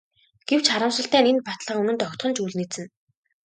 Гэвч харамсалтай нь энэ баталгаа үнэнд огтхон ч үл нийцнэ.